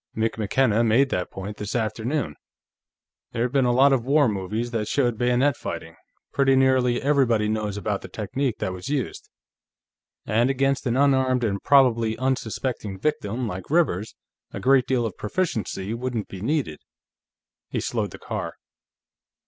"Mick McKenna made that point, this afternoon. There have been a lot of war movies that showed bayonet fighting; pretty nearly everybody knows about the technique that was used. And against an unarmed and probably unsuspecting victim like Rivers, a great deal of proficiency wouldn't be needed." He slowed the car.